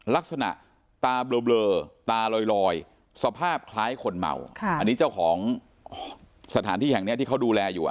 ลักษณะตาเบลอตาลอยสภาพคล้ายคนเมาอันนี้เจ้าของสถานที่แห่งนี้ที่เขาดูแลอยู่